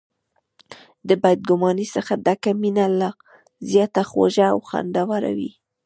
د بد ګمانۍ څخه ډکه مینه لا زیاته خوږه او خوندوره وي.